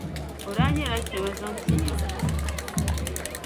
O daa niŋla kpɛma zaŋ ti ya.